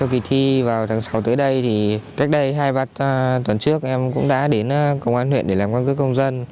khi vào tháng sáu tới đây thì cách đây hai bắt tuần trước em cũng đã đến công an huyện để làm quan cướp công dân